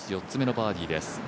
４つ目のバーディーです。